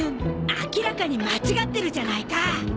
明らかに間違ってるじゃないか！